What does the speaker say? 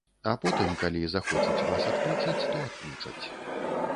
А потым, калі захочуць вас адключыць, то адключаць.